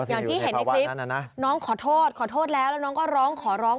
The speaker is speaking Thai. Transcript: อย่างที่เห็นในคลิปน้องขอโทษขอโทษแล้วแล้วน้องก็ร้องขอร้อง